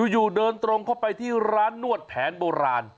อยู่เดินตรงเข้าไปที่ร้านนวดแผนโบราณ